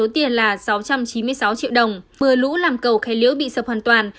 một mươi triệu đồng mưa lũ làm cầu khe liệu bị sập hoàn toàn